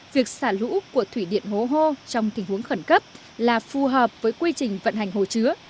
việc xả lũ của thủy điện hố hô trong tình huống khẩn cấp là phù hợp với quy trình vận hành hồ chứa